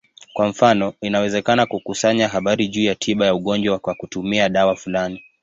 Kwa mfano, inawezekana kukusanya habari juu ya tiba ya ugonjwa kwa kutumia dawa fulani.